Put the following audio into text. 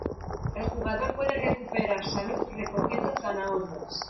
El jugador puede recuperar salud recogiendo zanahorias.